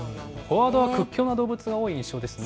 フォワードは屈強な動物が多い印象ですね。